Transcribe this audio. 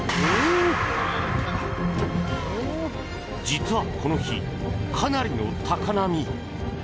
実はこの日、かなりの高波。